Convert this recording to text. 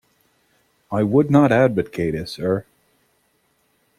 I would not advocate it, sir.